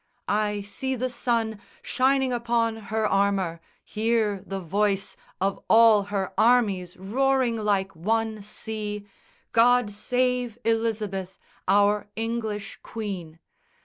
I see the sun Shining upon her armour, hear the voice Of all her armies roaring like one sea _God save Elizabeth, our English Queen!